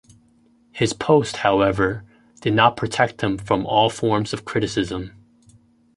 His post, however, did not protect him from all forms of criticism.